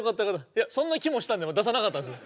いやそんな気もしたんで出さなかったんです。